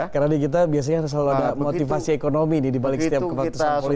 karena kita biasanya selalu ada motivasi ekonomi dibalik setiap kebatasan politik